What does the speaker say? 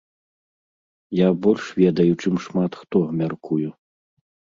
Я больш ведаю, чым шмат хто, мяркую.